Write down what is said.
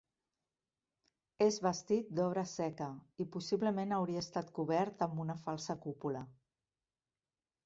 És bastit d'obra seca i possiblement hauria estat cobert amb una falsa cúpula.